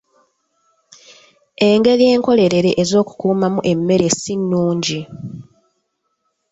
Engeri enkolerere ez'okukuumamu emmere si nnungi.